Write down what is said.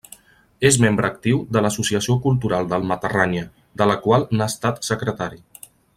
És membre actiu de l'Associació Cultural del Matarranya, de la qual n'ha estat secretari.